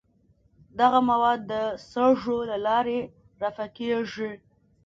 دغه مواد د سږو له لارې دفع کیږي.